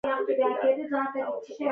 دوی پوهېدل چې دا یو غیر معمولي سفر نه دی.